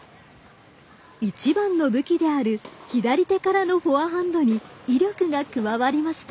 一番の武器である左手からのフォアハンドに威力が加わりました。